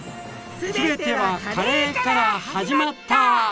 「すべてはカレーから始まった」